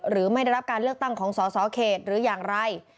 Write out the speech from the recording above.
ไม่ได้รับการเลือกตั้งของสสเขตหรืออย่างไร